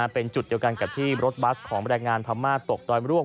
เป็นจุดเดียวกันกับที่รถบัสของแรงงานพม่าตกดอยมร่วง